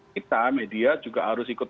kita media juga harus ikut